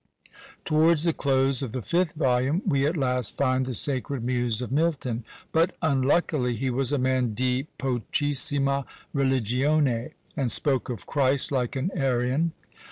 Towards the close of the fifth volume we at last find the sacred muse of Milton, but, unluckily, he was a man "di pochissima religione," and spoke of Christ like an Arian.